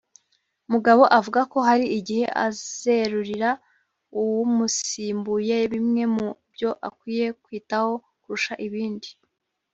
Mugabo avuga ko hari igihe azerurira umusimbuye bimwe mu byo akwiye kwitaho kurusha ibindi